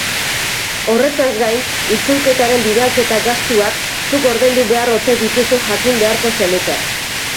Horretaz gain, itzulketaren bidalketa-gastuak zuk ordaindu behar ote dituzun jakin beharko zenuke.